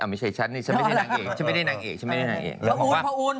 ไม่ใช่ฉันเนี่ยฉันไม่ได้นางเอก